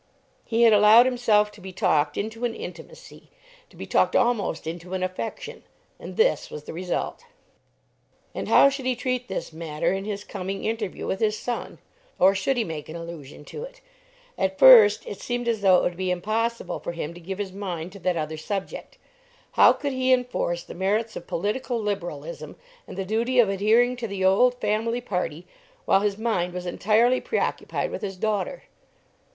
He had allowed himself to be talked into an intimacy, to be talked almost into an affection. And this was the result! And how should he treat this matter in his coming interview with his son; or should he make an allusion to it? At first it seemed as though it would be impossible for him to give his mind to that other subject. How could he enforce the merits of political Liberalism, and the duty of adhering to the old family party, while his mind was entirely preoccupied with his daughter?